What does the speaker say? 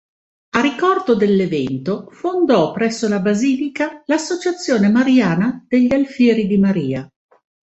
A ricordo dell'evento fondò presso la basilica l'associazione mariana degli "Alfieri di Maria".